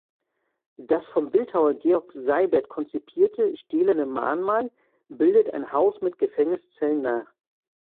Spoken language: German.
Das vom Bildhauer Georg Seibert konzipierte stählerne Mahnmal bildet ein Haus mit Gefängniszellen nach.